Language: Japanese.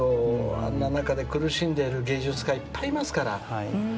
あんな中で苦しんでいる芸術家がいっぱいいますから。